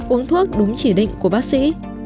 uống thuốc đúng chỉ định của bác sĩ